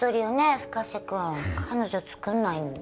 深瀬君彼女つくんないの？